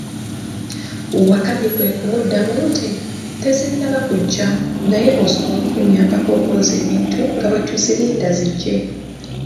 Wakamyu kwe kumuddamu nti, tezinnaba kuggya, naye osobola okunnyabako okwoza ebintu nga bwe tuzirinda ziggye.